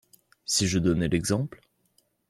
Si je donnais l'exemple?